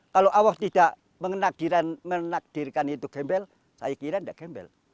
kalau allah tidak menakdirkan itu gembel saya kira tidak gembel